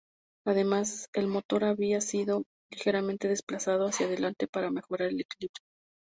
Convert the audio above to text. Además, el motor había sido ligeramente desplazado hacia adelante para mejorar el equilibrio.